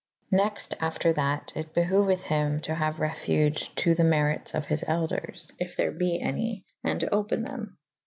Nexte after that it behoueth hym to haue refuge to the merytes of his elders / yf there be any / and to open them.